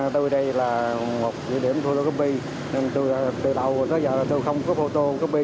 tôi ở đây là một địa điểm photocopy từ đầu tới giờ tôi không có photocopy